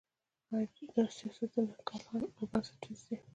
دا سیاستونه کلان او بنسټیز دي.